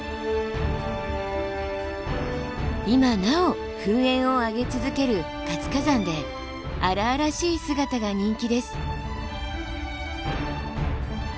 今なお噴煙を上げ続ける活火山で荒々しい姿が人気です。